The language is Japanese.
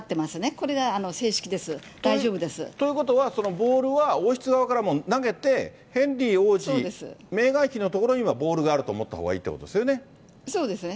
これが正式です、大丈夫です。ということはそのボールは王室側からも投げて、ヘンリー王子、メーガン妃の所にはボールがあると思ったほうがいいということでそうですね。